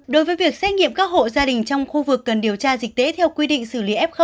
đối với việc xét nghiệm các hộ gia đình trong khu vực cần điều tra dịch tễ theo quy định xử lý f một